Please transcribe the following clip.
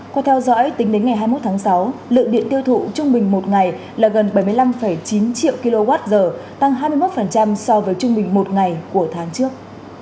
qua theo dõi tính đến ngày hai mươi một tháng sáu lượng điện tiêu thụ trung bình một ngày là gần bảy mươi năm chín triệu kwh tăng hai mươi một so với trung bình một ngày của tháng trước